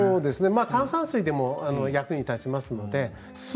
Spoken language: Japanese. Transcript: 炭酸水でも役に立ちます。